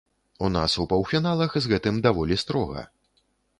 У нас у паўфіналах з гэтым даволі строга.